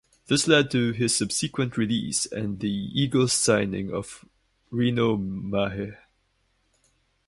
This led to his subsequent release and the Eagles' signing of Reno Mahe.